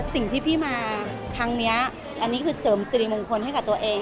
สิ่งที่พี่มาครั้งนี้อันนี้คือเสริมสิริมงคลให้กับตัวเอง